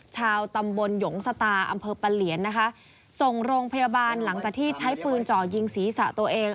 ชาวตำบลหยงสตาอำเภอปะเหลียนนะคะส่งโรงพยาบาลหลังจากที่ใช้ปืนจ่อยิงศีรษะตัวเอง